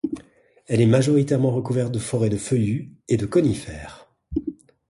Elle est majoritairement recouverte de forêts de feuillus et de conifères.